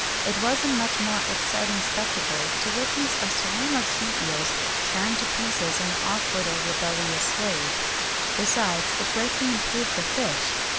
It was a much more exciting spectacle to witness a swarm of sea eels tearing to pieces an awkward or rebellious slave; besides, it greatly improved the fish.